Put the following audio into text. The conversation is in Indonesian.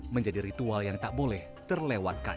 menjadi ritual yang tak boleh terlewatkan